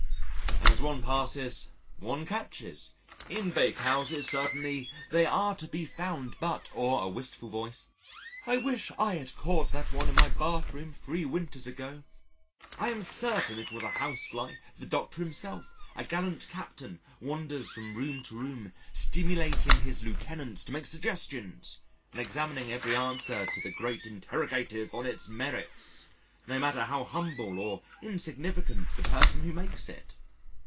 As one passes one catches: "In Bakehouses certainly they are to be found but...." or a wistful voice, "I wish I had caught that one in my bathroom three winters ago I am certain it was a Housefly." The Doctor himself a gallant Captain wanders from room to room stimulating his lieutenants to make suggestions, and examining every answer to the great interrogative on its merits, no matter how humble or insignificant the person who makes it.